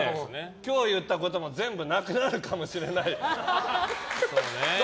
今日言ったことも全部なくなるかもしれない。